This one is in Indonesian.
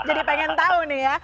jadi pengen tau nih ya